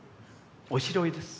おしろいです。